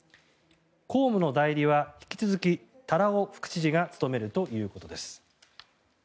公務の代理は引き続き多羅尾副知事が務めるということです。